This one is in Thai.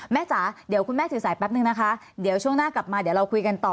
จ๋าเดี๋ยวคุณแม่ถือสายแป๊บนึงนะคะเดี๋ยวช่วงหน้ากลับมาเดี๋ยวเราคุยกันต่อ